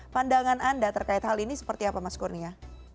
pandangan anda terkait hal ini seperti apa mas kurnia